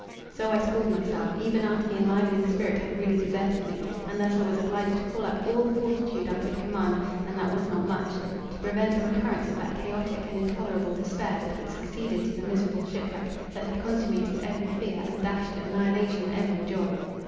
—so I schooled myself, even after the enlivening spirit had really deserted me, and thus I was obliged to call up all the fortitude I could command, and that was not much, to prevent a recurrence of that chaotic and intolerable despair, that had succeeded to the miserable shipwreck, that had consummated every fear, and dashed to annihilation every joy.